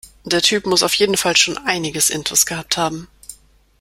Der Typ muss auf jeden Fall schon einiges intus gehabt haben.